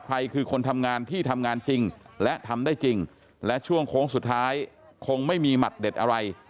ใครคือคนทำงานที่ทำงานจริงและทำได้จริงและช่วงโค้งสุดท้ายคงไม่มีหมัดเด็ดอะไร